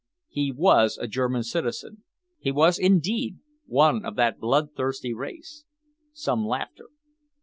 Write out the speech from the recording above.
He was a German citizen he was indeed one of that bloodthirsty race. (Some laughter.)